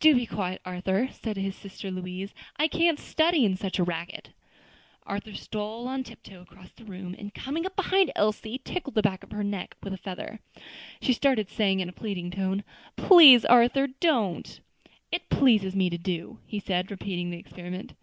"Do be quiet, Arthur," said his sister Louise; "I can't study in such a racket." Arthur stole on tiptoe across the room, and coming up behind Elsie, tickled the back of her neck with a feather. She started, saying in a pleading tone, "Please, Arthur, don't." "It pleases me to do," he said, repeating the experiment.